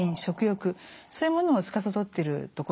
そういうものをつかさどっているところなんですね。